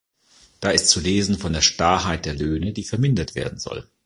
Da ist zu lesen von der Starrheit der Löhne, die vermindert werden soll.